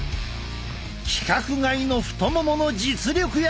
規格外の太ももの実力やいかに！